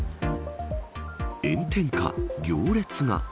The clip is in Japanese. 炎天下、行列が。